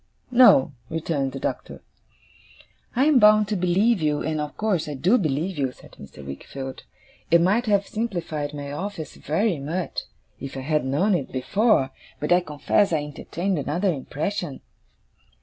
'No,' returned the Doctor. 'I am bound to believe you, and of course I do believe you,' said Mr. Wickfield. 'It might have simplified my office very much, if I had known it before. But I confess I entertained another impression.